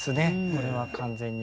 これは完全に。